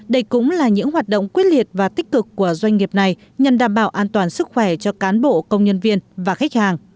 đây cũng là những hoạt động quyết liệt và tích cực của doanh nghiệp này nhằm đảm bảo an toàn sức khỏe cho cán bộ công nhân viên và khách hàng